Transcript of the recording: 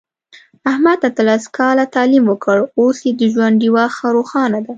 احمد اتلس کاله تعلیم وکړ، اوس یې د ژوند ډېوه ښه روښانه ده.